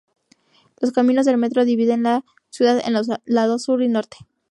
Los caminos del metro dividen la ciudad en lados Sur y Norte.